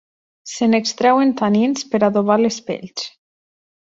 Se n'extreuen tanins per adobar les pells.